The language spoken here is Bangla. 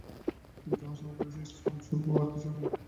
কিন্তু উহা সমগ্র সৃষ্টির অংশ বৈ আর কিছুই নয়।